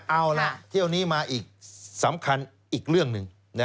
เอาล่ะเที่ยวนี้มาอีกสำคัญอีกเรื่องหนึ่ง